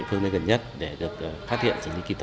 thể sát bẩn